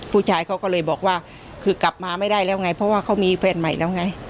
ผู้ชายเขาก็เลยบอกว่าคือกลับมาไม่ได้แล้วไงเพราะว่าเขามีแฟนใหม่แล้วไง